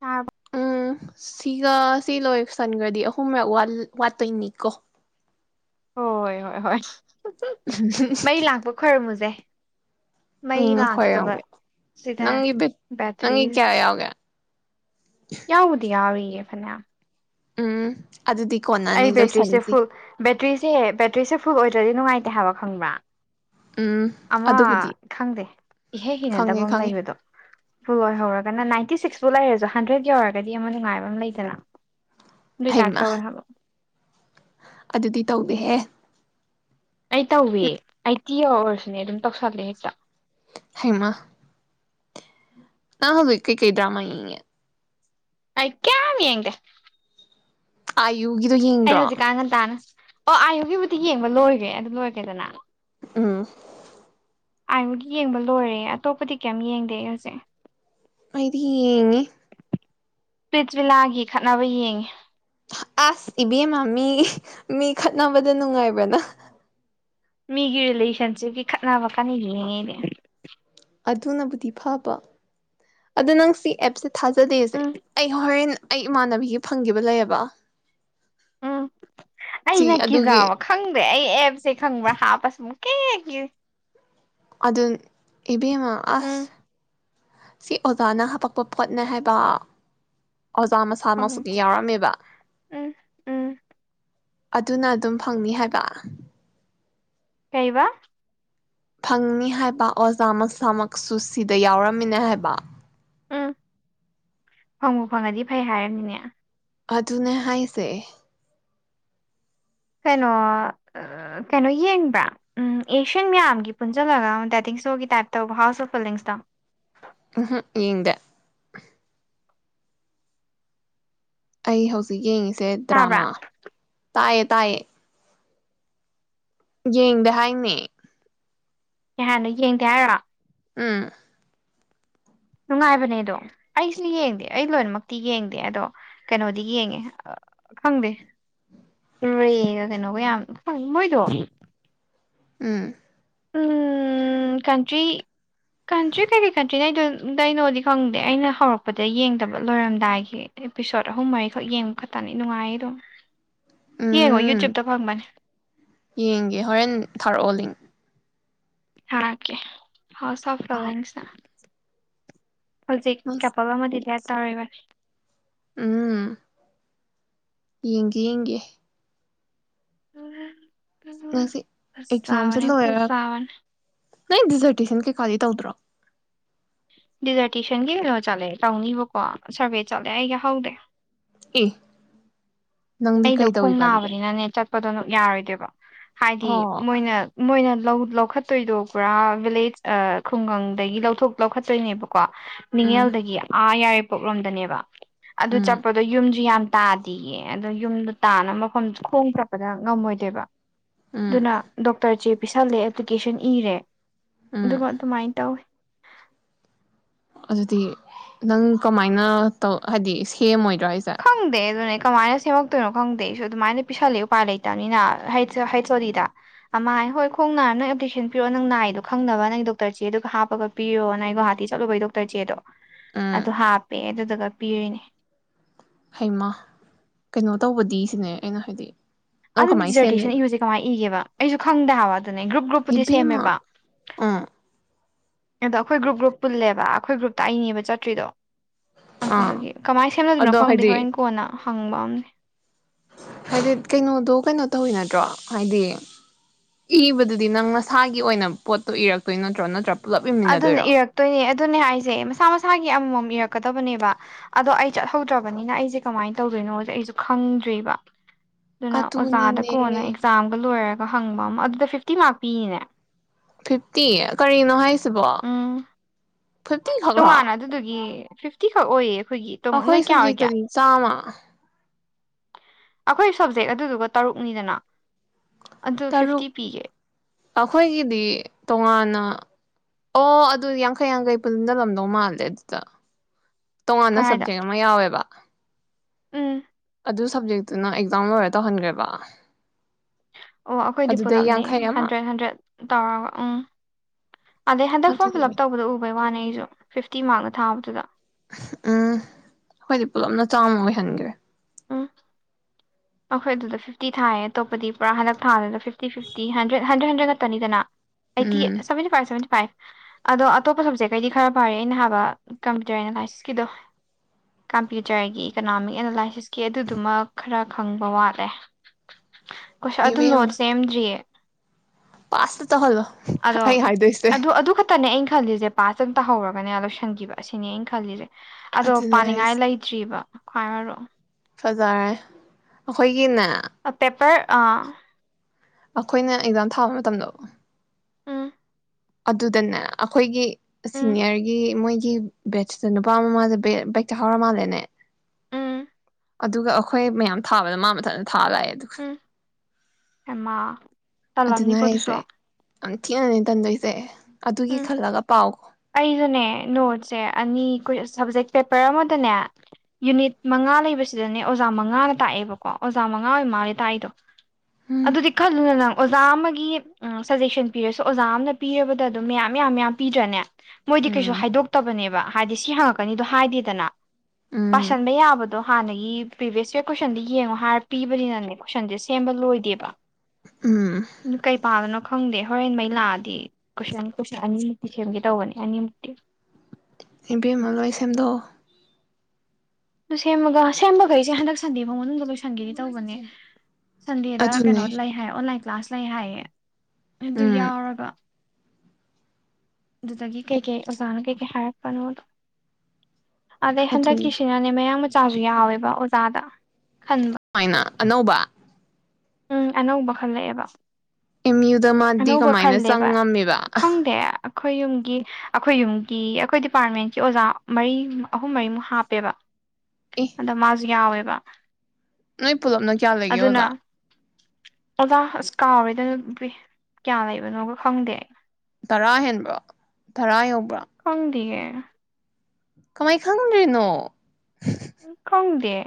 ꯇꯥꯔꯕ ꯎꯝ ꯁꯤ [unintelligible] ꯁꯤ ꯂꯣꯏ ꯁꯟꯈ꯭ꯔꯗꯤ ꯑꯍꯨꯝꯔꯛ ꯋꯥꯜ ꯋꯥꯠꯇꯣꯏꯅꯤꯀꯣ ꯍꯣꯏ ꯍꯣꯏ ꯍꯣꯏ ꯃꯩ ꯂꯥꯛꯄ ꯈꯣꯏꯔꯝꯃꯨꯁꯦ ꯃꯩ ꯎꯝ ꯑꯩꯈꯣꯏ ꯂꯥꯛꯇꯥꯕꯥ ꯌꯥꯎꯒꯦ ꯁꯤꯗ ꯅꯪꯒꯤ ꯕꯦꯠ ꯕꯦꯇ꯭ꯔꯤ ꯅꯪꯒꯤ ꯀꯌꯥ ꯌꯥꯎꯒꯦ [unintelligible] ꯎꯝ ꯑꯗꯨꯗꯤ ꯑꯩ ꯀꯣꯟꯅꯅꯤ ꯕꯦꯇ꯭ꯔꯤꯁꯦ ꯂꯣꯏꯁꯟꯁꯤ ꯐꯨꯜ ꯕꯦꯇ꯭ꯔꯤꯁꯦ ꯕꯦꯇ꯭ꯔꯤꯁꯦ ꯐꯨꯠ ꯑꯣꯏꯗ꯭ꯔꯗꯤ ꯅꯨꯡꯉꯥꯏꯇꯦ ꯍꯥꯏꯕ ꯈꯪꯕ꯭ꯔꯥ ꯎꯝ ꯑꯃ ꯑꯗꯨꯕꯨꯗꯤ ꯈꯪꯗꯦ ꯏꯍꯩ ꯈꯪꯉꯦ ꯍꯩꯅꯗꯕ ꯑꯃ ꯈꯪꯉꯦ ꯂꯩꯕꯗꯣ ꯎꯜ ꯑꯣꯏꯣꯏꯍꯧꯔꯒꯅ ꯅꯥꯏꯟꯇꯤ ꯁꯤꯛꯁ ꯁꯨ ꯂꯩꯔꯁꯨ ꯍꯟꯗ꯭ꯔꯦꯗ ꯌꯧꯔꯒꯗꯤ ꯑꯃ ꯅꯨꯡꯉꯥꯏꯕ ꯑꯃ ꯂꯩꯗꯅ ꯑꯗꯨꯏ ꯇꯥꯏꯞ ꯍꯩꯃ ꯇꯧꯋꯦ ꯍꯥꯏꯕ ꯑꯗꯨꯗꯤ ꯇꯧꯗꯦꯍꯦ ꯑꯩ ꯇꯧꯋꯦ ꯑꯩ ꯇꯤ ꯌꯧꯔꯁꯨꯅꯦ ꯑꯗꯨꯝ ꯇꯧꯁꯂꯦ ꯍꯦꯛꯇ ꯍꯩꯃ ꯅꯍꯟꯕꯗꯗꯤ ꯀꯩ ꯀꯩ ꯗ꯭ꯔꯃ ꯌꯦꯡꯉꯤ ꯑꯩ ꯀꯌꯥꯝ ꯌꯦꯡꯒꯦ ꯑꯥꯏ ꯌꯨꯒꯤꯗꯣ ꯌꯦꯡꯗ꯭ꯔꯣ ꯉꯟꯇꯥꯅ ꯑꯣ ꯑꯥꯏꯌꯨꯒꯤꯕꯨꯗꯤ ꯌꯦꯡꯕ ꯂꯣꯏꯒꯦ ꯑꯗꯨ ꯂꯣꯏꯒꯦꯗꯅ ꯎꯝ ꯑꯥꯏꯌꯨꯒꯤ ꯌꯦꯡꯕ ꯂꯣꯏꯔꯦ ꯑꯇꯣꯞꯄꯗꯤ ꯀꯌꯝ ꯌꯦꯡꯗꯦ ꯑꯩ ꯍꯧꯖꯤꯛ ꯑꯩꯗꯤ ꯌꯦꯡꯉꯤ ꯄ꯭ꯔꯤꯇ꯭ꯔꯤꯂꯥꯒꯤ ꯈꯠꯅꯕ ꯌꯦꯡꯉꯤ ꯑꯁ ꯏꯕꯦꯝꯃ ꯃꯤ ꯃꯤ ꯈꯠꯅꯕꯗ ꯅꯨꯡꯉꯥꯏꯕꯅ ꯃꯤꯒꯤ ꯔꯤꯂꯦꯁꯟꯁꯤꯞꯀꯤ ꯈꯠꯅꯕ ꯀꯥꯟꯅ ꯌꯦꯉꯤ ꯑꯩꯗꯤ ꯑꯗꯨꯅꯕꯨꯗꯤ ꯐꯥꯕ ꯑꯗꯣ ꯅꯪ ꯁꯤ ꯑꯦꯞꯁ ꯊꯥꯖꯗꯦꯁꯦ ꯎꯝ ꯑꯩ ꯍꯣꯔꯦꯟ ꯑꯩ ꯏꯃꯥꯟꯅꯕꯤꯒꯤ ꯐꯪꯒꯤꯕ ꯂꯩꯌꯦꯕ ꯎꯝ ꯁꯤ ꯑꯩꯅ ꯑꯗꯨꯒꯤ ꯀꯤꯖꯥꯕ ꯈꯪ ꯑꯩ ꯑꯦꯞꯁꯦ ꯈꯪꯕ꯭ꯔꯥ ꯍꯥꯞꯄ ꯁꯨꯝꯀꯤ ꯀꯤ ꯑꯗꯨ ꯏꯕꯦꯝꯃ ꯎꯝ ꯑꯁ ꯁꯤ ꯑꯣꯖꯥꯅ ꯍꯥꯞꯄꯛꯄ ꯄꯣꯠꯅꯦ ꯍꯥꯏꯕ ꯑꯣꯖꯥ ꯃꯁꯥ ꯃꯛꯁꯨ ꯐꯪꯗ꯭ꯔꯦ ꯌꯥꯎꯔꯝꯃꯦꯕ ꯎꯝ ꯎꯝ ꯑꯗꯨꯅ ꯑꯗꯨꯝ ꯐꯪꯅꯤ ꯍꯥꯏꯕ ꯀꯩꯕꯥ ꯐꯪꯅꯤ ꯍꯥꯏꯕ ꯑꯣꯖꯥ ꯃꯁꯥꯃꯛꯁꯨ ꯁꯤꯗ ꯌꯥꯎꯔꯝꯃꯤꯅꯦ ꯍꯥꯏꯕ ꯎꯝ ꯐꯪꯉꯨ ꯐꯪꯉꯗꯤ ꯐꯩ ꯍꯥꯏꯔꯝꯅꯤꯅꯦ ꯑꯗꯨꯅꯦ ꯍꯥꯏꯁꯦ ꯀꯩꯅꯣ ꯑ ꯀꯩꯅꯣ ꯌꯦꯡꯕ꯭ꯔꯥ ꯑꯦꯁꯤꯌꯥꯟ ꯃꯌꯥꯝꯒꯤ ꯄꯨꯟꯖꯟꯂꯒ ꯑꯃ ꯗꯥꯏꯇꯤꯡ ꯏꯁꯇꯣꯔꯒꯤ ꯇꯥꯏꯞ ꯇꯧꯕ ꯍꯥꯎꯁ ꯑꯣꯐ ꯐꯤꯂꯤꯡꯁ ꯇꯣ ꯎꯝꯍꯣ ꯌꯦꯡꯗꯦ ꯑꯩ ꯍꯧꯖꯤꯛ ꯌꯦꯡꯉꯤ ꯁꯦ ꯇꯥꯕ꯭ꯔꯥ ꯗ꯭ꯔꯃꯥ ꯇꯥꯏꯌꯦ ꯇꯥꯏꯌꯦ ꯌꯦꯡꯗꯦ ꯍꯥꯏꯅꯦ ꯀꯩꯍꯥꯏꯅꯣ ꯌꯦꯡꯗꯦ ꯍꯥꯏꯔ ꯎꯝ ꯅꯨꯡꯉꯥꯏꯕꯅꯦ ꯑꯗꯣ ꯑꯩꯁꯨ ꯌꯦꯡꯗꯦ ꯑꯩ ꯂꯣꯏꯅꯃꯛꯇꯤ ꯌꯦꯡꯗꯦ ꯑꯗꯣ ꯀꯩꯅꯣꯗꯤ ꯌꯦꯡꯉꯦ ꯈꯪꯗꯦ ꯔꯦꯒ ꯀꯩꯅꯣꯒ ꯌꯥꯝ ꯃꯣꯏꯗꯣ ꯎꯝ ꯎꯝ ꯀꯟꯇ꯭ꯔꯤ ꯀꯟꯇ꯭ꯔꯤ ꯀꯩ ꯀꯔꯤ ꯀꯟꯇ꯭ꯔꯤ ꯅ ꯑꯩ ꯑꯗꯨꯣ ꯀꯩꯅꯣꯗꯤ ꯈꯪꯗꯦ ꯑꯩꯅ ꯍꯧꯔꯛꯄꯗ ꯌꯦꯡꯗꯕ ꯂꯣꯏꯔꯝꯗꯥꯏꯒꯤ ꯑꯦꯄꯤꯁꯣꯠ ꯑꯍꯨꯝ ꯃꯔꯤꯈꯛ ꯌꯦꯡꯕ ꯈꯛꯇꯅꯤ ꯅꯨꯡꯉꯥꯏ ꯑꯗꯨꯝ ꯌꯦꯡꯉꯣ ꯎꯝ ꯌꯨꯇ꯭ꯌꯨꯕꯇ ꯐꯪꯕꯅꯦ ꯌꯦꯡꯒꯦ ꯍꯣꯔꯦꯟ ꯊꯥꯔꯛꯑꯣꯂꯤꯡ ꯊꯥꯔꯛꯀꯦ ꯍꯥꯎ ꯑ [unintelligible] ꯍꯧꯖꯤꯛ ꯀꯦꯄꯜ ꯑꯃꯗꯤ ꯂꯦꯞ ꯇꯥꯔꯣꯏꯕꯅꯤ ꯎꯝ ꯌꯦꯡꯒꯦ ꯌꯦꯡꯒꯦ ꯎꯝ ꯍꯧꯖꯤꯛ ꯑꯦꯖꯥꯝ ꯁꯦ ꯂꯣꯏꯔ ꯐꯖꯕꯅꯦ ꯅꯣꯢ ꯗꯤꯖꯥꯔꯗꯦꯁꯟ ꯀꯗꯤ ꯇꯧꯗ꯭ꯔꯣ ꯗꯤꯖꯔꯇꯦꯁꯟꯒꯤ ꯀꯩꯅꯣ ꯆꯠꯂꯦ ꯇꯧꯅꯤꯕꯀꯣ ꯁꯔꯚꯦ ꯆꯠꯂꯦ ꯑꯩꯒꯤ ꯍꯧꯗꯦ ꯑꯦ ꯅꯪꯗꯤ ꯑꯩꯗꯣ ꯈꯣꯡ ꯀꯩꯗꯧꯔꯤꯕ ꯑꯗꯨꯗꯤ ꯅꯥꯕꯅꯤꯅꯅꯦ ꯆꯠ ꯗꯣꯅ ꯌꯥꯔꯣꯏꯗꯦꯕ ꯍꯥꯏꯗꯤ ꯑꯣ ꯃꯣꯏꯅ ꯃꯣꯏꯅ ꯂꯧꯈꯠꯇꯣꯏꯗꯣ ꯄꯨꯔꯥ ꯚꯤꯂꯦꯖ ꯈꯨꯡꯒꯪꯗꯒꯤ ꯂꯧꯊꯣꯛ ꯂꯧꯈꯠꯇꯣꯏꯅꯦꯕ ꯀꯣ ꯎꯝ ꯅꯤꯡꯉꯦꯜꯗꯒꯤ ꯑꯥ ꯌꯥꯔ ꯄꯣꯛꯂꯣꯝꯗꯅꯦꯕ ꯑꯗꯨ ꯎꯝ ꯆꯠꯄꯗꯣ ꯌꯨꯝꯁꯨ ꯌꯥꯝ ꯇꯥꯗꯌꯦ ꯑꯗ ꯌꯨꯝꯗꯣ ꯇꯥꯅ ꯃꯐꯝ ꯈꯣꯡ ꯆꯠꯄꯗ ꯉꯝꯃꯣꯏꯗꯦꯕ ꯎꯝ ꯑꯗꯨꯅ ꯗꯣꯛꯇꯔ ꯖꯤꯞ ꯄꯤꯁꯜꯂꯦ ꯑꯦꯄ꯭ꯂꯤꯀꯦꯁꯟ ꯏꯔꯦ ꯎꯝ ꯑꯗꯨꯝ ꯑꯗꯨꯃꯥꯏꯅ ꯇꯧꯋꯤ ꯑꯗꯨꯗꯤ ꯅꯪ ꯀꯃꯥꯏꯅ ꯇꯧ ꯍꯥꯏꯗꯤ ꯁꯦꯝꯃꯣꯏ ꯈꯪꯗꯦ ꯑꯗꯨꯅꯦ ꯀꯃꯥꯏꯅ ꯁꯦꯝꯃꯛꯇꯣꯏꯅꯣ ꯈꯪꯗꯦ ꯑꯩꯁꯨ ꯑꯗꯨꯃꯥꯏꯅ ꯄꯤꯁꯜꯂꯦ ꯎꯄꯥꯏ ꯂꯩꯇꯕꯅꯤꯅ ꯍ ꯍꯩꯠ ꯑꯣꯂꯤꯗ ꯑꯃ ꯍꯥꯏ ꯍꯣꯏ ꯈꯣꯡ ꯅꯥꯔ ꯅꯪ ꯑꯦꯄ꯭ꯂꯤꯀꯦꯁꯟ ꯄꯤꯔꯛ ꯅꯪ ꯅꯥꯏꯗꯣ ꯈꯪꯗꯅꯕ ꯅꯪꯒꯤ ꯗꯣꯛꯇꯔ ꯆꯦꯗꯨꯒ ꯍꯥꯞꯄꯒ ꯄꯤꯔꯣ ꯅꯪ ꯒꯧꯍꯥꯇꯤ ꯆꯠꯂꯨꯕꯒꯤꯩ ꯗꯣꯛꯇꯔ ꯆꯦꯗꯣ ꯎꯝ ꯑꯗꯨ ꯍꯥꯄꯦ ꯑꯗꯨꯗꯨꯒ ꯄꯤꯔꯤꯅꯤ ꯍꯩꯃ ꯀꯩꯅꯣ ꯇꯧꯕꯗꯤ ꯁꯤꯅꯦ ꯑꯩꯅ ꯍꯥꯏꯗꯤ ꯅꯪ ꯑꯗꯨꯗꯤ ꯀꯃꯥꯏꯅ ꯗꯤꯖꯔꯇꯦꯁꯟ ꯁꯦꯝꯗꯣꯏꯅꯣ ꯏꯕꯁꯦ ꯀꯃꯥꯏꯅ ꯏꯒꯦꯕ ꯑꯩꯁꯨ ꯈꯪꯗꯦ ꯍꯥꯏꯕ ꯑꯗꯨꯅꯦ ꯒ꯭ꯔꯨꯞ ꯒ꯭ꯔꯨꯞꯄꯨꯗꯤ ꯏꯕꯦꯝꯃ ꯁꯦꯝꯃꯦꯕ꯫ ꯑꯥ ꯑꯗꯣ ꯑꯩꯈꯣꯏ ꯒ꯭ꯔꯨꯞ ꯒ꯭ꯔꯨꯞ ꯄꯨꯜꯂꯦꯕ ꯑꯩꯈꯣꯏ ꯒ꯭ꯔꯨꯞꯇ ꯑꯩꯅꯦꯕ ꯆꯠꯇ꯭ꯔꯤꯗꯣ꯫ ꯑꯥ ꯑꯗꯨꯗꯨꯒꯤ ꯀꯃꯥꯏꯅ ꯁꯦꯝꯅꯗꯣꯏꯅꯣ ꯑꯗꯣ ꯈꯪꯗꯦ ꯍꯥꯏꯗꯤ ꯍꯣꯔꯦꯟ ꯀꯣꯟꯅ ꯐꯪꯕ ꯑꯝꯅꯤ ꯍꯥꯏꯗꯤ ꯀꯩꯅꯣꯗꯣ ꯀꯩꯅꯣ ꯇꯧꯋꯤ ꯅꯠꯇ꯭ꯔꯣ ꯍꯥꯏꯗꯤ ꯏꯕꯗꯨꯗꯤ ꯅꯪ ꯅꯁꯥꯒꯤ ꯑꯣꯏꯅ ꯄꯣꯠꯇꯣ ꯏꯔꯛꯇꯣꯏ ꯅꯠꯇ꯭ꯔꯣ? ꯅꯠꯇ꯭ꯔꯥ ꯄꯨꯂꯞ ꯑꯗꯨꯅꯦ ꯏꯃꯤꯟꯅꯗꯣꯏꯔꯣ ꯏꯔꯛꯇꯣꯏꯅꯦ ꯑꯗꯨꯅꯦ ꯍꯥꯏꯁꯦ ꯃꯁꯥ ꯃꯁꯥꯒꯤ ꯒꯤ ꯑꯃꯃꯝ ꯏꯔꯛꯀꯗꯕꯅꯦꯕ ꯑꯗꯣ ꯑꯩ ꯆꯠꯍꯧꯗ꯭ꯔꯕꯅꯤꯅ ꯑꯩꯁꯦ ꯀꯃꯥꯏꯅ ꯇꯧꯗꯣꯏꯅꯣꯁꯦ ꯑꯩꯁꯨ ꯈꯪꯗ꯭ꯔꯤꯕ꯫ ꯑꯗꯨꯅ ꯑꯣꯖꯥꯗ ꯀꯣꯟꯅ ꯑꯗꯨꯅꯤꯅꯦ ꯑꯦꯛ꯭ꯖꯥꯝꯒ ꯂꯣꯏꯔꯒ ꯍꯪꯕ ꯑꯃ ꯑꯗꯨꯗ ꯐꯤꯐꯇꯤ ꯃ꯭ꯔꯥꯛ ꯄꯤꯅꯤꯅꯦ ꯐꯤꯐꯇꯤ ꯀꯔꯤꯅꯣ ꯍꯥꯏꯁꯤ ꯁꯤꯕꯣ ꯎꯝ ꯐꯤꯐꯇꯤ ꯈꯛꯂꯣ? ꯇꯣꯉꯥꯟꯅ ꯑꯗꯨꯗꯨꯒꯤ ꯐꯤꯐꯇꯤ ꯇꯛ ꯑꯣꯏꯌꯦ꯫ ꯑꯩꯈꯣꯏꯒꯤ ꯅꯣꯏ ꯑꯩꯈꯣꯏ ꯀꯌꯥ ꯑꯣꯏꯒꯦ ꯁꯕꯖꯦꯛꯇꯗꯤ ꯆꯥꯝꯃꯥ꯫ ꯑꯩꯈꯣꯏ ꯁꯕꯖꯦꯛ ꯑꯗꯨꯗꯨꯒ ꯇꯔꯨꯛꯅꯤꯗꯅ ꯑꯗꯨ ꯇꯔꯨꯛ ꯐꯤꯐꯇꯤ ꯄꯤꯒꯦ ꯑꯩꯈꯣꯏꯒꯤꯗꯤ ꯇꯣꯉꯥꯟꯅ ꯑꯣ ꯑꯗꯨ ꯌꯥꯡꯈꯩ ꯌꯥꯡꯈꯩ ꯄꯨꯟꯖꯟꯂꯝꯗꯧ ꯃꯥꯟꯂꯦ ꯑꯗꯨꯗ ꯇꯣꯉꯥꯟꯅ ꯀꯗꯥꯏꯗ ꯁꯕꯖꯦꯛ ꯑꯃ ꯌꯥꯎꯋꯦꯕ ꯎꯝ꯫ ꯑꯗꯨ ꯁꯕꯖꯦꯛꯇꯨꯅ ꯑꯦꯛꯖꯥꯝ ꯂꯣꯏꯔ ꯇꯧꯍꯟꯈ꯭ꯔꯦꯕ ꯑꯣ ꯑꯩꯈꯣꯏꯗꯤ ꯑꯗꯨꯗꯩ ꯄꯨꯂꯞꯅꯤ ꯌꯥꯡꯈꯩ ꯑꯃ ꯍꯟꯗ꯭ꯔꯦꯠ ꯍꯟꯗ꯭ꯔꯦꯠ ꯇꯧꯔꯒ ꯎꯝ ꯑꯗꯩ ꯍꯟꯗꯛ ꯐ꯭ꯔꯣꯝ ꯐꯤꯜ ꯑꯞ ꯑꯗꯨꯗꯤ ꯇꯧꯕꯗ ꯎꯕ ꯃꯥꯅꯦ ꯑꯩꯁꯨ ꯐꯤꯐꯇꯤ ꯃ꯭ꯔꯥꯛꯅꯦ ꯊꯥꯕꯗꯨꯗ ꯑꯁ, ꯎꯝ ꯑꯩꯈꯣꯏꯗꯤ ꯄꯨꯂꯞꯅ ꯆꯥꯎꯥꯅ ꯑꯣꯏꯍꯟꯒ꯭ꯔꯦ꯫ ꯎꯝ ꯑꯩꯈꯣꯏ ꯑꯗꯨꯗ ꯐꯤꯐꯇꯤ ꯊꯥꯏꯌꯦ ꯑꯇꯣꯞꯄꯗꯤ ꯄꯨꯔꯥ ꯍꯟꯗꯛ ꯊꯥꯗꯨꯗ fifty fifty hundred hundred hundred ꯈꯛꯇꯅꯤꯗꯅ ꯑꯥꯢꯇꯤ ꯎꯝ ꯁꯕꯦꯟꯇꯤ ꯐꯥꯏꯚ ꯁꯕꯦꯟꯇꯤ ꯐꯥꯏꯚ ꯑꯗꯣ ꯑꯇꯣꯞꯄ ꯁꯕꯖꯦꯛꯈꯧꯗꯤ ꯈꯔ ꯐꯔꯦ ꯑꯩꯅ ꯍꯥꯏꯕ ꯀꯝꯄ꯭ꯌꯨꯇꯔ ꯑꯦꯅꯥꯂꯥꯏꯁꯤꯁꯀꯤꯗꯣ ꯀꯝꯄ꯭ꯌꯨꯇꯔꯒꯤ ꯏꯀꯣꯅꯣꯃꯤꯛ ꯑꯦꯅꯥꯂꯥꯏꯁꯤꯁꯀꯤ ꯀꯦ ꯑꯗꯨꯗꯨꯃ ꯈꯔ ꯈꯪꯕ ꯋꯥꯠꯂꯦ꯫ [unintelligible] ꯑꯗꯨ ꯅꯣꯠ ꯏꯕꯦꯝꯃ ꯁꯦꯝꯗ꯭ꯔꯤꯌꯦ ꯄꯥꯁꯇ ꯇꯧꯍꯜꯂꯣ ꯑꯗꯣ ꯑꯩ ꯍꯥꯏꯗꯣꯏꯁꯦ꯫ ꯑꯗꯨ ꯑꯗꯨ ꯈꯛꯇꯅꯦ ꯑꯩꯅ ꯈꯜꯂꯤꯁꯦ ꯄꯥꯆꯇ ꯇꯧꯍꯧꯔꯒꯅꯦ ꯂꯣꯏꯁꯤꯟꯈꯤꯕ ꯑꯁꯤꯅꯦ ꯑꯩꯅ ꯈꯜꯂꯤꯁꯦ ꯑꯗꯣ ꯑꯗꯨꯅꯦ ꯄꯥꯅꯤꯉꯥꯏ ꯍꯥꯏꯁꯦ ꯂꯩꯇ꯭ꯔꯤꯕ ꯈ꯭ꯋꯥꯏ ꯃꯔꯨ ꯐꯖꯔꯦ ꯑꯩꯈꯣꯏꯒꯤꯅꯦ ꯑꯥ ꯄꯦꯄꯔ ꯑꯥ ꯑꯩꯈꯣꯏꯅ ꯑꯦꯛꯖꯥꯝ ꯊꯥꯕ ꯃꯇꯝꯗꯣ ꯎꯝ ꯑꯗꯨꯗꯅꯦ ꯑꯩꯈꯣꯏꯒꯤ ꯎꯝ ꯁꯤꯅꯤꯌꯔꯒꯤ ꯃꯣꯏꯒꯤ ꯌꯨꯞ ꯕꯦꯁꯇ ꯅꯨꯄꯥ ꯑꯃ ꯃꯥꯖꯦ ꯕꯦ ꯕꯦꯛ ꯆꯍꯥꯎꯔ ꯃꯥꯜꯂꯦꯅꯦ ꯎꯝ ꯑꯗꯨꯒ ꯑꯈꯣꯏ ꯃꯌꯥꯝ ꯊꯥꯕꯗ ꯃꯥ ꯃꯊꯟ ꯊꯥ ꯂꯥꯑꯦ ꯑꯗꯨꯒ ꯍꯩꯃ ꯑꯗꯨꯅꯦ ꯍꯥꯏ ꯌꯥꯝꯊꯤꯅꯅꯦ ꯇꯟꯗꯣꯏꯖꯦ ꯑꯗꯨꯒꯤ ꯈꯜꯂꯒ ꯄꯥꯎ ꯑꯩꯖꯨꯅꯦ ꯅꯣꯠꯁꯦ ꯑꯅꯤ ꯀꯨꯌꯖ ꯁꯞꯖꯦꯛ ꯄꯦꯄꯔ ꯑꯃꯗꯅꯦ ꯌꯨꯅꯤꯠ ꯃꯉꯥ ꯂꯩꯕꯁꯤꯗꯅꯦ ꯑꯣꯖꯥ ꯃꯉꯥꯅ ꯇꯥꯛꯑꯦꯕꯀꯣ ꯑꯣꯖꯥ ꯃꯉꯥ ꯑꯣꯏ ꯃꯥꯂꯦ ꯇꯥꯛꯏꯗꯣ ꯎꯝ ꯑꯗꯨꯗꯤ ꯈꯜꯂꯨꯅ ꯅꯪ ꯑꯣꯖꯥ ꯑꯃꯒꯤ ꯎꯝ ꯁꯖꯦꯁꯟ ꯄꯤꯔꯁꯨ ꯑꯣꯖꯥ ꯑꯃꯅ ꯄꯤꯔꯕꯗ ꯑꯗꯨꯝ ꯃꯌꯥꯝ ꯃꯌꯥꯝ ꯃꯌꯥꯝ ꯄꯤꯗ꯭ꯔꯅꯦ ꯃꯣꯏꯗꯤ ꯀꯩꯁꯨ ꯎꯝ ꯍꯥꯏꯗꯣꯛꯇꯕꯅꯦꯕ ꯍꯥꯏꯗꯤ ꯁꯤ ꯍꯪꯉꯛꯀꯅꯤꯗꯣ ꯍꯥꯏꯗꯦꯗꯅ ꯎꯝ ꯄꯁꯥꯟꯕ ꯌꯥꯕꯗꯣ ꯍꯥꯟꯅꯒꯤ ꯄ꯭ꯔꯤꯚꯤꯌꯁ ꯏꯔ ꯀꯣꯏꯁꯟꯗ ꯌꯦꯡꯉꯣ ꯍꯥꯏꯔ ꯄꯤꯕꯅꯤꯅꯅꯦ ꯀꯣꯏꯁꯟꯁꯦ ꯁꯦꯝꯕ ꯂꯣꯏꯗꯦꯕ ꯎꯝ ꯀꯩ ꯄꯗꯣꯅꯣ ꯈꯪꯗꯦ ꯍꯣꯔꯦꯟ ꯃꯩ ꯂꯥꯑꯗꯤ ꯀꯣꯏꯁꯟ ꯀꯣꯏꯁꯟ ꯑꯅꯤꯃꯨꯛꯇꯤ ꯁꯦꯝꯒꯦ ꯇꯧꯕꯅꯤ ꯌꯥꯅꯤꯃꯨꯛꯇꯤ ꯏꯕꯦꯝꯃ ꯂꯣꯏ ꯁꯦꯝꯗꯣꯛꯑꯣ ꯑꯗꯨ ꯁꯦꯝꯃꯒ ꯁꯦꯝꯕꯒꯩꯁꯦ ꯍꯟꯗꯛ ꯁꯟꯗꯦ ꯐꯥꯎ ꯃꯅꯨꯡꯗ ꯂꯣꯏꯁꯟꯒꯦꯗꯤ ꯇꯧꯕꯅꯦ ꯁꯟꯗꯦꯗ ꯀꯩꯅꯣ ꯑꯗꯨꯅꯦ ꯂꯩ ꯍꯥꯏ ꯑꯣꯟꯂꯥꯏ ꯀ꯭ꯂꯥꯁ ꯂꯩ ꯍꯥꯏꯌꯦ ꯑꯗꯨ ꯎꯝ ꯌꯥꯎꯔꯒ ꯑꯗꯨꯗꯒꯤ ꯀꯩꯀꯩ ꯑꯣꯖꯥꯅ ꯀꯩꯀꯩ ꯍꯥꯏꯔꯛꯄꯅꯣꯗꯣ ꯑꯗꯩ ꯑꯗꯨꯅꯦ ꯍꯟꯗꯛꯀꯤꯁꯤꯅꯅꯦ ꯃꯌꯥꯡꯃ ꯆꯥꯖꯨ ꯌꯧꯌꯦꯕ ꯑꯣꯖꯥꯗꯥ ꯃꯥꯏꯅ ꯑꯅꯧꯕ ꯎꯝ ꯑꯅꯧꯕ ꯈꯜꯂꯛꯑꯦꯕ ꯑꯦꯝ ꯌꯨꯗ ꯃꯥꯗꯤ ꯑꯅꯧꯕ ꯀꯃꯥꯏꯅ ꯈꯜꯂꯦꯕ ꯆꯪꯉꯝꯃꯦꯕ ꯈꯪꯗꯦ ꯑꯩꯈꯣꯏ ꯌꯨꯝꯒꯤ ꯑꯈꯣꯏ ꯌꯨꯝꯒꯤ ꯑꯈꯣꯏ ꯗꯤꯄꯥꯔꯠꯃꯦꯟꯀꯤ ꯑꯣꯖꯥ ꯃꯔꯤ ꯑꯍꯨꯝ ꯃꯔꯤꯃꯨꯛ ꯍꯥꯞꯄꯦꯕ ꯑꯦ ꯑꯗ ꯃꯥꯖꯨ ꯌꯥꯎꯌꯦꯕ ꯅꯣꯏ ꯄꯨꯂꯞꯅ ꯀꯌꯥ ꯂꯩꯒꯦ ꯑꯗꯨꯅ ꯑꯣꯖ ꯑꯣꯖꯥ ꯑꯁ ꯀꯥꯎꯔꯦꯗ ꯅꯨꯄꯤ ꯀꯌꯥ ꯂꯩꯕꯅꯣꯒ ꯈꯪꯗꯦ ꯇꯔꯥ ꯍꯦꯟꯕ꯭ꯔꯣ ꯇꯔꯥ ꯌꯧ ꯈꯪꯗꯤꯌꯦ ꯀꯃꯥꯏ ꯈꯪꯗ꯭ꯔꯤꯅꯣ ꯈꯪꯗꯦ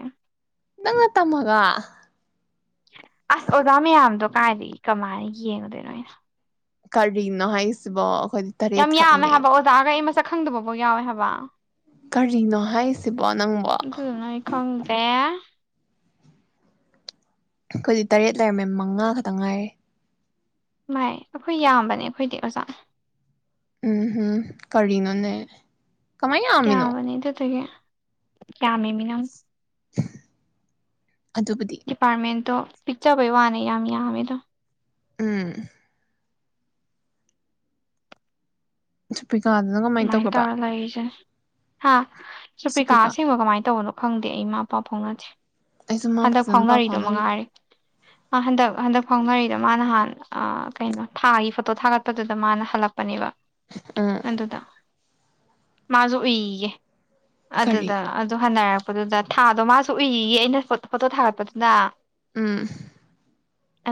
ꯅꯒꯅꯥ ꯇꯃꯒꯥ ꯑꯁ ꯑꯣꯖꯥ ꯃꯌꯥꯝꯗꯣ ꯀꯥꯏꯗꯒꯤ ꯀꯃꯥꯏꯅ ꯌꯦꯡꯉꯨꯗꯣꯏꯅꯣꯩ ꯑꯩꯅꯥ ꯀꯔꯤꯅ ꯍꯥꯏꯁꯤꯕꯣ ꯇꯔꯦꯠ ꯌꯥꯝ ꯌꯥꯃꯦ ꯈꯛꯅꯦ ꯍꯟꯕꯥ ꯑꯣꯖꯒꯩ ꯑꯩ ꯃꯥ ꯁꯛꯈꯪꯗꯕꯐꯥꯎ ꯌꯥꯎꯋꯦ ꯍꯥꯏꯕ ꯀꯔꯤꯅꯣ ꯍꯥꯏꯁꯤꯕꯣ ꯅꯪꯕꯣ ꯑꯗꯨꯗꯨꯅ ꯑꯩ ꯈꯪꯗ꯭ꯔꯦ ꯑꯩꯈꯣꯏꯗꯤ ꯇꯔꯦꯠ ꯂꯩꯔꯝꯃꯦ ꯃꯉꯥ ꯈꯛꯇꯪ ꯉꯥꯏꯔꯦ ꯚꯥꯏ ꯑꯩꯈꯣꯏ ꯌꯥꯝꯕꯅꯦ ꯑꯩꯈꯣꯏꯗꯤ ꯑꯣꯖꯥ ꯎꯝ ꯍꯝ ꯀꯔꯤꯅꯅꯦꯦ ꯌꯥꯕꯅꯤ ꯑꯗꯨꯗꯨꯒꯤ ꯌ꯭ꯃꯦ ꯃꯤ ꯅꯒ [inaudible] ꯑꯗꯨꯕꯨꯗꯤ ꯑꯗꯣ ꯄꯤꯛꯆꯕꯩ ꯋꯥꯅꯦ ꯌꯥꯝꯃꯤ ꯌꯥꯕꯗꯣ ꯎꯝ [inaudible] ꯀꯃꯥꯏꯅ ꯇꯧꯔ ꯂꯩꯔꯤꯁꯦ ꯍꯥ ꯁꯨꯄꯤꯀꯥ ꯁꯨꯄ꯭ꯔꯤꯀꯥ ꯑꯁꯦꯡꯕ ꯀꯃꯥꯏꯅ ꯇꯧꯕꯅꯣ ꯈꯪꯗꯦ ꯑꯩ ꯃꯥ ꯄꯄꯥ ꯐꯥꯎꯅꯁꯦ ꯑꯩꯁꯨ ꯃꯥ ꯍꯟꯗꯛ ꯐꯖꯅ ꯄꯥꯎ ꯐꯥꯎꯅꯔꯤꯗꯣ ꯐꯥꯎꯅꯈꯤꯗ꯭ꯔꯦ ꯃꯉꯥꯔꯤꯦ ꯑ ꯍꯟꯗꯛ ꯍꯟꯗꯛ ꯐꯥꯎꯅꯔꯤ ꯁꯤꯗ ꯃꯥꯅꯍꯥꯟ ꯑ ꯀꯩꯅꯣ ꯊꯥꯒꯤ ꯐꯣꯇꯣ ꯊꯥꯒꯠꯄꯗꯨꯗ ꯃꯥꯅ ꯍꯜꯂꯛꯄꯅꯦꯕ ꯑꯥ ꯃꯥꯖꯣ ꯏꯌꯦꯌꯦ ꯀꯔꯤ ꯑꯗꯨꯗ ꯑꯗꯨ ꯍꯅ ꯑꯗꯨꯗ ꯊꯥꯗꯣ ꯃꯥꯁꯨ ꯎꯏꯌꯦ ꯑꯩꯅ ꯐꯣꯇꯣ ꯊꯥꯒꯠꯄꯗꯨꯅ ꯎꯝ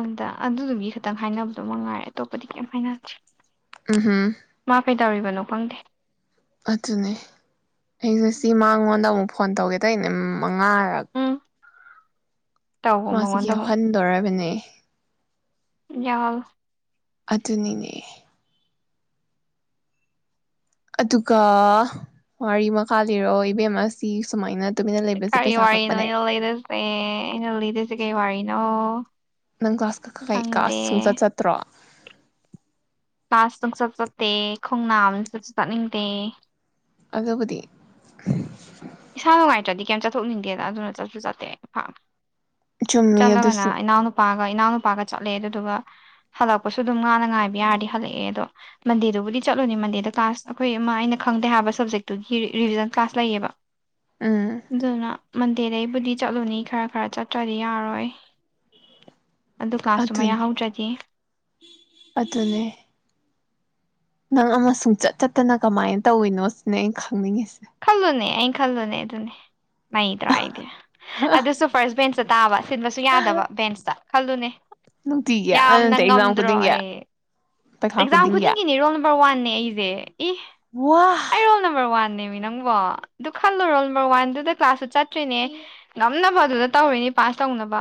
ꯑꯗ ꯑꯗꯨꯗꯨꯒꯤ ꯇꯪ ꯍꯥꯏꯅꯕꯗꯣ ꯃꯉꯥꯏꯔꯦ ꯑꯇꯣꯞꯄꯗꯤ ꯀꯔꯤꯝ ꯍꯥꯏꯅꯦꯗꯔ꯭ꯤ ꯎꯝꯍꯨꯝ ꯀꯩꯇꯧꯔꯤꯕꯅꯣ ꯐꯪꯗꯦ ꯑꯗꯨꯅꯤ ꯑꯩ ꯉꯥꯁꯤ ꯃꯉꯣꯟꯗ ꯑꯃꯨꯛ ꯐꯣꯟ ꯇꯧꯒꯦ ꯇꯔꯤꯅꯦꯝ ꯎꯝ ꯇꯧꯕ ꯃꯥꯁꯨ ꯃꯉꯣꯟꯗ ꯍꯟꯗꯧꯣꯔꯕꯅꯦ ꯌꯥꯍꯜ [unintelligible] ꯑꯗꯨꯅꯤꯅꯦ ꯑꯗꯨꯒ ꯋꯥꯔꯤ ꯃꯈꯥ ꯂꯩꯔꯣ ꯏꯕꯦꯝ ꯁꯤ ꯁꯨꯃꯥꯏꯅ ꯇꯨꯃꯤꯟꯅ ꯂꯩꯕꯁꯦ ꯀꯔꯤ ꯄꯩꯁꯥ ꯋꯥꯔꯤꯅꯣ ꯀꯛꯄꯅꯦ ꯑꯩꯅ ꯂꯩꯔꯁꯦ ꯑꯩꯅ ꯂꯩꯗꯁꯦ ꯀꯔꯤ ꯋꯥꯔꯤꯅꯣ ꯑꯣ ꯅꯪ ꯀ꯭ꯂꯥꯁ ꯀꯛꯀꯥ [unintelligible] ꯀꯩ ꯀꯥꯁ ꯁꯨꯡꯆꯠ ꯆꯠꯇ꯭ꯔꯣ ꯀ꯭ꯂꯥꯁ ꯅꯨꯡꯆꯠ ꯆꯠꯇꯦ ꯈꯣꯡꯅꯥ ꯑꯃꯆꯠꯁꯨ ꯆꯠꯅꯤꯡꯗꯦ ꯑꯗꯨꯕꯨꯗꯤ ꯏꯁꯥ ꯅꯨꯡꯉꯥꯏꯇ꯭ꯔꯗꯤ ꯀꯩꯝ ꯆꯠꯊꯣꯛꯅꯤꯡꯗꯦꯗ ꯑꯗꯨꯅ ꯆꯠꯁꯨ ꯆꯠꯇꯦ ꯆꯨꯝꯃꯤ ꯆꯠꯂꯒꯅ ꯑꯗꯨꯁꯨ ꯏꯅꯥꯎꯅꯨꯄꯥꯒ ꯏꯅꯥꯎꯅꯨꯄꯥꯒ ꯆꯠꯂꯦ ꯑꯗꯨꯗꯨꯒ ꯍꯜꯂꯛꯄꯁꯨ ꯑꯗꯨꯝ ꯃꯥꯅ ꯉꯥꯏꯕ ꯌꯥꯔꯗꯤ ꯍꯜꯂꯛꯑꯦ ꯑꯗꯣ ꯃꯟꯗꯦꯗꯨꯕꯨꯗꯤ ꯆꯠꯂꯨꯅꯤ ꯃꯟꯗꯦꯗ ꯀ꯭ꯂꯥꯁ ꯑꯈꯣꯏ ꯑꯃ ꯑꯩꯅ ꯈꯪꯗꯦ ꯍꯥꯏꯕ ꯁꯞꯖꯦꯛꯇꯨꯒꯤ ꯔꯤꯕꯤꯖꯟ ꯀ꯭ꯂꯥꯁ ꯂꯩꯌꯦꯕ ꯎꯝ ꯑꯗꯨꯗꯨꯅ ꯃꯟꯗꯦꯗꯩꯕꯨꯗꯤ ꯆꯠꯂꯨꯅꯤ ꯈꯔ ꯈꯔ ꯆꯠꯇ꯭ꯔꯗꯤ ꯌꯥꯔꯣꯏ ꯑꯗꯨ ꯀꯂ꯭ꯥꯁ ꯇꯨꯃꯥ ꯑꯗꯨꯅꯦ ꯌꯥꯎꯍꯧꯗꯔ꯭ꯗꯤ ꯑꯗꯨꯅꯦ ꯅꯪ ꯑꯃ ꯁꯨꯡꯆꯠ ꯆꯠꯇꯅ ꯀꯃꯥꯏꯅ ꯇꯧꯋꯤꯅꯣ ꯁꯤꯅꯦ ꯑꯩ ꯈꯜꯂꯨꯅꯦ ꯈꯜꯂꯣꯅꯦ ꯑꯗꯨꯅꯦ ꯅꯩꯗꯔꯥ ꯑꯩꯗꯤ ꯑꯗꯨꯁꯨ ꯐꯥꯁꯠ ꯕꯦꯟꯁ [unintelligible] ꯁꯤꯟꯕꯁꯨ ꯌꯥꯗꯕ ꯕꯦꯟꯁꯇ ꯈꯜꯂꯨꯅꯦ ꯅꯨꯡꯇꯤꯒꯤ ꯑ ꯌꯥꯝꯅ ꯅꯠꯇꯦ ꯑꯦꯛꯖꯥꯝ ꯉꯝꯗ꯭ꯔꯣ ꯈꯨꯗꯤꯡꯒꯤ ꯑꯩ ꯄꯩꯈꯥ ꯑꯦꯛꯖꯥꯝ ꯈꯨꯗꯤꯡꯒꯤ ꯈꯨꯗꯤꯡꯒꯤꯅꯤ ꯔꯣꯜ ꯅꯝꯕꯔ ꯋꯥꯟꯅꯦ ꯑꯩꯖꯦ ꯏ ꯋꯥ ꯑꯩ ꯔꯣꯜ ꯅꯝꯕꯔ ꯋꯥꯟꯅꯦ ꯅꯪꯕꯣ ꯑꯗꯨ ꯈꯜꯂꯨ ꯔꯣꯜ ꯅꯝꯕꯔ ꯋꯥꯟꯗꯨꯗ ꯀ꯭ꯂꯥꯁꯇꯨ ꯆꯠꯇ꯭ꯔꯤꯅꯦ ꯉꯝꯅꯕ ꯑꯗꯨꯗ ꯇꯧꯔꯤꯅꯦ ꯄꯥꯁ ꯇꯧꯅꯕ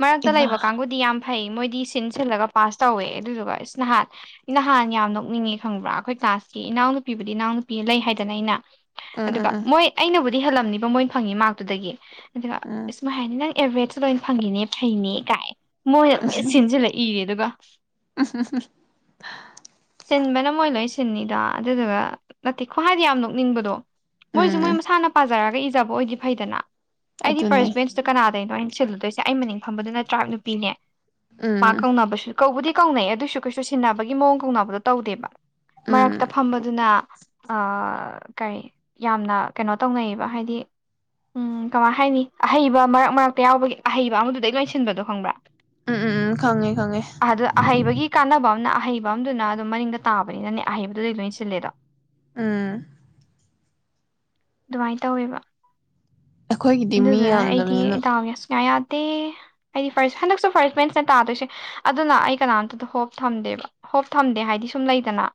ꯃꯔꯛꯇ ꯂꯩꯕ ꯏꯃꯥ ꯀꯥꯡꯕꯨꯗꯤ ꯌꯥꯝ ꯐꯩ ꯃꯣꯏꯗꯤ ꯁꯤꯟ ꯁꯤꯜꯂꯒ ꯄꯥꯁ ꯇꯧꯋꯦ ꯑꯗꯨꯗꯨꯒ ꯏꯁ ꯅꯍꯥꯟ ꯅꯍꯥꯟ ꯌꯥꯝ ꯅꯣꯛꯅꯤꯡꯉꯦ ꯈꯪꯕ꯭ꯔꯥ ꯑꯈꯣꯏ ꯀ꯭ꯂꯥꯁꯀꯤ ꯏꯅꯥꯎꯅꯨꯄꯤꯕꯨꯗꯤ ꯏꯅꯥꯎꯅꯨꯄꯤ ꯂꯩ ꯍꯥꯏꯗꯅ ꯑꯩꯅ ꯎꯝ ꯎꯝ ꯑꯗꯨꯒ ꯎꯝ ꯃꯣꯏ ꯑꯩꯅꯕꯨ ꯗꯤ ꯍꯦꯜꯂꯝꯅꯤꯕ ꯃꯣꯏꯅ ꯐꯪꯉꯤ ꯃꯥꯔꯛꯇꯨꯗꯒꯤ ꯑꯗꯨꯒ ꯎꯝ ꯑꯁꯨꯃꯥꯏ ꯍꯥꯏꯅꯤ ꯅꯪ ꯑꯦꯚꯔꯦꯠ ꯂꯣꯏꯅ ꯐꯪꯉꯤꯅꯦ ꯐꯩꯅꯦꯒꯥꯏ ꯃꯣꯏꯅ [unintelligible] ꯁꯤꯟ ꯁꯤꯜꯂꯒ ꯏꯔꯦ ꯑꯗꯨꯒ [unintelligible] [unintelligible] ꯁꯤꯟꯕꯅ ꯃꯣꯏ ꯂꯣꯏ ꯁꯤꯟꯅꯤꯗ ꯑꯗꯨꯗꯨꯒ ꯅꯠꯇꯦ ꯈꯨꯍꯥꯏꯗ ꯌꯥꯝ ꯅꯣꯛꯅꯤꯡꯕꯗꯣ ꯃꯣꯏꯁꯨ ꯎꯝ ꯃꯣꯏ ꯃꯁꯥꯅ ꯄꯥꯖ [unintelligible] ꯖꯔꯒ ꯏꯖꯕ ꯑꯣꯏꯗꯤ ꯐꯩꯗꯅ ꯑꯩꯗꯤ ꯑꯗꯨꯅꯦ ꯐꯥꯔꯁ ꯕꯦꯟꯁꯇ ꯀꯅꯥ [unintelligible] ꯗꯩꯅꯣ ꯑꯩꯅ ꯁꯤꯜꯂꯨꯗꯣꯏꯁꯦ ꯑꯩ ꯃꯅꯤꯡ ꯐꯝꯕꯗꯨꯅ ꯇ꯭ꯔꯥꯏꯞ ꯅꯨꯄꯤꯅꯦ ꯃꯥ ꯎꯝ ꯀꯧꯅꯕꯁꯨ ꯀꯧꯕꯨꯗꯤ ꯀꯧꯅꯩ ꯑꯗꯨꯁꯨ ꯀꯩꯁꯨꯛ ꯆꯨꯁꯤꯟꯅꯕꯒꯤ ꯃꯑꯣꯡ ꯀꯧꯅꯕꯗꯣ ꯇꯧꯗꯦꯕ ꯎꯝ ꯃꯔꯛꯇ ꯎꯝ ꯐꯝꯕꯗꯨꯅ ꯑ ꯀꯔꯤ ꯌꯥꯝꯅ ꯀꯩꯅꯣ ꯇꯧꯅꯩꯌꯦꯕ ꯍꯥꯏꯗꯤ ꯎꯝ ꯀꯃꯥꯏ ꯍꯥꯏꯅꯤ ꯑꯍꯩꯕ ꯃꯔꯛ ꯃꯔꯛꯇ ꯌꯥꯎꯕꯒꯤ ꯑꯍꯩꯕ ꯑꯃꯗꯨꯗꯩ ꯂꯣꯏꯁꯤꯟꯕꯗꯣ ꯈꯪꯕ꯭ꯔꯥ ꯎꯝ ꯎꯝ ꯈꯪꯉꯦ ꯈꯪꯉꯦ ꯑꯝꯅ ꯑꯍꯩꯕ ꯑꯃꯗꯨꯅ ꯑꯗꯨꯝ ꯃꯅꯤꯡꯡꯗ ꯇꯥꯕꯅꯤꯅꯅꯦ ꯑꯍꯩꯕꯗꯨꯗꯩ ꯂꯣꯏ ꯁꯤꯜꯂꯦꯗꯣ ꯎꯝ꯫ ꯑꯗꯨꯃꯥꯏꯅ ꯇꯧꯋꯦꯕ ꯑꯩꯈꯣꯏꯒꯤꯗꯤ ꯃꯤ ꯑꯗꯨꯗꯨꯅ ꯑꯩꯗꯤ ꯌꯥꯝꯗꯕꯅꯤꯅ ꯗꯥꯎꯁꯦ ꯁꯨꯡꯌꯥ ꯌꯗ ꯑꯩꯗꯤ ꯐꯔꯁ ꯍꯟꯗꯛꯁꯨ ꯐꯥꯔꯁ ꯃꯦꯟꯁꯅ ꯇꯥꯗꯣꯏꯁꯦ ꯑꯗꯨꯅ ꯑꯩ ꯀꯅꯥꯝꯇꯗ ꯍꯣꯞ꯫ ꯍꯣꯞ ꯊꯝꯗꯦꯕ ꯍꯣꯞ ꯊꯝꯗꯦ ꯍꯥꯏꯗꯤ ꯁꯨꯝ ꯂꯩꯗꯅ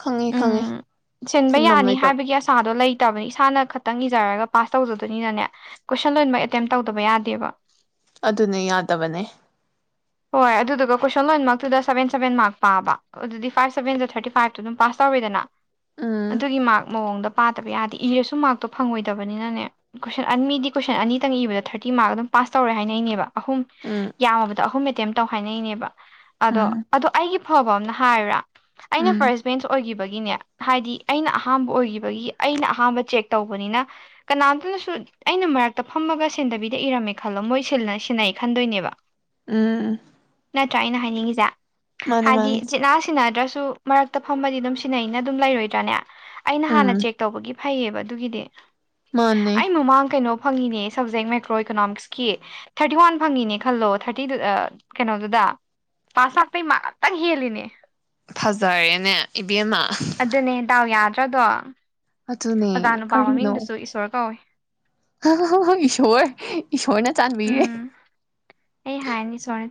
ꯈꯪꯉꯦ ꯈꯪꯉꯦ ꯎꯝ ꯁꯤꯟꯕ ꯊꯤꯟꯐꯝ ꯌꯥꯅꯤ ꯂꯩꯇꯕ ꯍꯥꯏꯕꯒꯤ ꯑꯁꯥꯗꯣ ꯂꯩ ꯂꯩꯠꯇꯕꯅꯤ ꯏꯁꯥꯅ ꯈꯛꯇꯪ ꯏꯖꯔꯒ ꯄꯥꯁ ꯇꯧꯖꯗꯣꯏꯅꯤꯅꯅꯦ ꯀꯣꯏꯁꯟ ꯂꯣꯏꯕ ꯑꯦꯇꯦꯝ ꯇꯧꯗꯕ ꯌꯥꯗꯦꯕ ꯑꯗꯨꯅꯦ ꯌꯥꯗꯕꯅꯦ ꯍꯣꯏ ꯑꯗꯨꯗꯨꯒ ꯀꯣꯏꯁꯟ ꯂꯣꯏꯃꯛꯇꯨꯗ ꯁꯚꯦꯟ ꯁꯚꯦꯟ ꯃꯥꯔꯛ ꯄꯥꯕ ꯑꯗꯨꯗꯤ ꯐꯥꯏꯚ ꯁꯚꯦꯟꯗ ꯊꯥꯔꯇꯤ ꯐꯥꯏꯚꯇꯣ ꯑꯗꯨꯝ ꯄꯥꯁ ꯇꯧꯔꯦꯗꯅ ꯎꯝ ꯑꯗꯨꯒꯤ ꯃꯥꯛ ꯃꯑꯣꯡꯗ ꯄꯥꯗꯕ ꯌꯥꯗꯦ ꯏꯔꯁꯨ ꯃꯥꯔꯛꯇꯣ ꯐꯪꯉꯣꯏꯗꯕꯅꯤꯅꯅꯦ ꯀꯣꯏꯁꯟ ꯑꯟ ꯃꯤꯗꯤ ꯀꯣꯏꯁꯟ ꯑꯅꯤꯇꯪ ꯏꯕꯗ ꯊꯥꯔꯇꯤ ꯃꯥꯔꯛ ꯑꯗꯨꯝ ꯄꯥꯁ ꯇꯧꯔꯦ ꯍꯥꯏꯅꯩꯅꯦꯕ ꯑꯍꯨꯝ ꯎꯝ ꯌꯥꯝꯃꯕꯗ ꯑꯍꯨꯝ ꯑꯦꯇꯦꯝ ꯇꯧ ꯍꯥꯏꯅꯩꯅꯦꯕ ꯑꯗꯣ ꯎꯝ ꯑꯗꯣ ꯑꯩꯒꯤ ꯐꯕ ꯑꯃꯝꯅ ꯍꯥꯏꯌꯨꯔꯥ ꯑꯩꯅ ꯎꯝ ꯐꯥꯔꯁ ꯕꯦꯟꯁ ꯑꯣꯏꯈꯤꯕꯒꯤ ꯒꯤꯅꯦ ꯍꯥꯏꯗꯤ ꯑꯩꯅ ꯑꯍꯥꯝꯕ ꯑꯣꯏꯈꯤꯕꯒꯤ ꯑꯩꯅ ꯑꯍꯥꯝꯕ ꯆꯦꯛ ꯇꯧꯕꯅꯤꯅ ꯀꯅꯥꯝꯇꯅꯁꯨ ꯑꯩꯅ ꯃꯔꯛꯇ ꯐꯝꯃꯒ ꯁꯦꯟꯗꯕꯤꯗ ꯏꯔꯝꯃꯦ ꯈꯜꯂꯣ ꯃꯣꯏ ꯁꯤꯟꯅꯩ ꯈꯟꯗꯣꯏꯅꯦꯕ꯫ ꯎꯝ ꯅꯠꯇ꯭ꯔꯥ ꯑꯩꯅ ꯍꯥꯏꯅꯤꯡꯉꯤꯁꯦ ꯃꯥꯅꯦ ꯍꯥꯏꯗꯤ ꯃꯥꯅꯦ ꯖꯤꯠꯅꯥ ꯁꯤꯟꯅꯗ꯭ꯔꯁꯨ ꯁꯨ ꯃꯔꯛꯇ ꯐꯃꯗꯤ ꯑꯗꯨꯝ ꯁꯤꯟꯅꯩꯅ ꯑꯗꯨꯝ ꯂꯩꯔꯣꯏꯗ꯭ꯔꯥꯅꯦ ꯑꯩꯅ ꯎꯝ ꯍꯥꯟꯅ ꯆꯦꯛ ꯇꯧꯕꯒꯤ ꯐꯩꯌꯦꯕ ꯑꯗꯨꯒꯤꯗꯤ ꯃꯥꯅꯦ ꯑꯩ ꯃꯃꯥꯡ ꯀꯩꯅꯣ ꯐꯪꯉꯤꯅꯦ ꯁꯞꯖꯦꯛ ꯃꯥꯏꯀ꯭ꯔꯣ ꯏꯀꯣꯅꯣꯃꯤꯛꯁꯀꯤ ꯊꯥꯔꯇꯤ ꯋꯥꯟ ꯐꯪꯉꯤꯅꯦ ꯈꯜꯂꯣ ꯊꯥꯔꯇꯤ ꯀꯩꯅꯣꯗꯨꯗ ꯄꯥꯁ ꯃꯔꯛ ꯑꯩꯩ ꯃꯥꯛ ꯑꯃꯇꯡ ꯍꯦꯟꯂꯤꯅꯦ ꯫ ꯐꯖꯔꯦꯅꯦ ꯏꯕꯦꯝꯃ ꯑꯗꯨꯅꯦ ꯗꯥꯎ ꯌꯥꯗ ꯔꯗꯣ ꯑꯗꯨꯅꯦ ꯑꯣꯖꯥ ꯅꯨꯨꯄꯥ ꯀꯔꯤꯅꯣ ꯃꯃꯤꯡꯗꯨꯁꯨ ꯏꯁꯣꯔ ꯀꯧꯏ ꯏꯁꯣꯔ ꯏꯁꯣꯔꯅ ꯆꯥꯟꯕꯤꯔꯦ ꯎꯝ ꯑꯩ ꯍꯥꯏꯅꯤ ꯏꯁꯣꯔꯅ